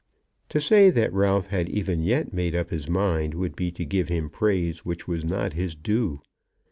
To say that Ralph had even yet made up his mind would be to give him praise which was not his due.